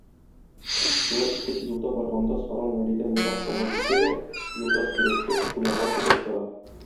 Шулай итеп, юлда барганда саран Вәлидән ерак алга китә дә, юлдаш кирәккәч, кунарга көтеп тора.